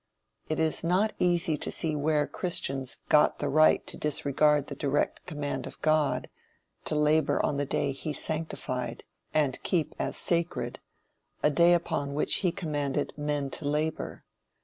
It is not easy to see where Christians got the right to disregard the direct command of God, to labor on the day he sanctified, and keep as sacred, a day upon which he commanded men to labor.